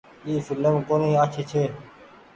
اي ڦلم ڪونيٚ آڇي ڇي۔